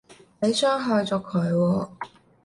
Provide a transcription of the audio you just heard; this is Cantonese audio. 你傷害咗佢喎